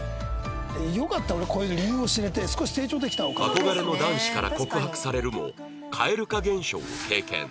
憧れの男子から告白されるも蛙化現象を経験